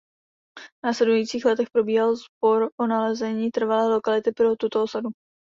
V následujících letech probíhal spor o nalezení trvalé lokality pro tuto osadu.